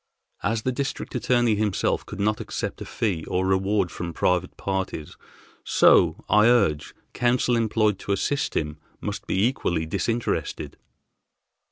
As the District Attorney himself could not accept a fee or reward from private parties, so, I urge, counsel employed to assist him must be equally disinterested."